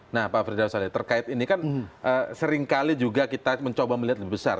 nah pak firdaus ali terkait ini kan seringkali juga kita mencoba melihat lebih besar